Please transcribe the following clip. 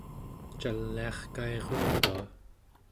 caliarkairutua